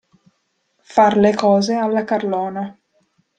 Far le cose alla carlona.